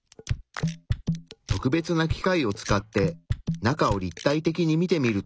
特別な機械を使って中を立体的に見てみると。